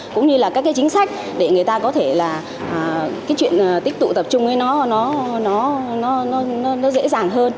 cũng như là các cái chính sách để người ta có thể là cái chuyện tích tụ tập trung ấy nó dễ dàng hơn